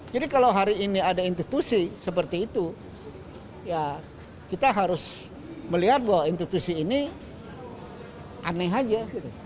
jadi kalau hari ini ada institusi seperti itu ya kita harus melihat bahwa institusi ini aneh saja